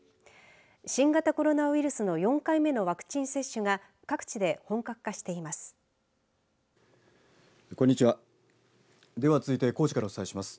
新型コロナウイルスの４回目のワクチン接種が各地で本格化しています。